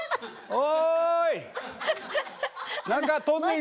おい！